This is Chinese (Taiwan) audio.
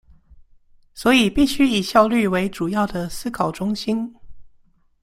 所以必須以效率為主要的思考中心